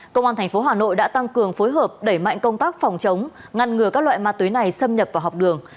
công an tp hà nội đã tăng cường phối hợp đẩy mạnh công tác phòng chống ngăn ngừa các loại ma túy này xâm nhập vào học đường